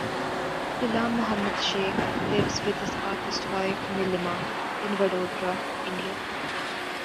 Gulam Mohammed Sheikh lives with his artist-wife Nilima in Vadodara, India.